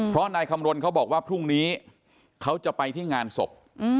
เพราะนายคำรณเขาบอกว่าพรุ่งนี้เขาจะไปที่งานศพ